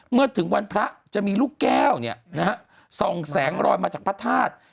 เมื่อถึงวันพระจะมีลูกแก้วเนี่ยนะฮะส่องแสงลอยมาจากพระทาส